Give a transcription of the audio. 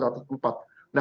nah tinggal data rilisnya